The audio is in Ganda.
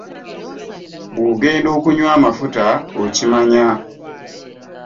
Bw'ogenda okunywa amafuta okimanya.